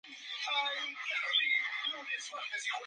Culminaba así su práctica como aprendiz de comerciante.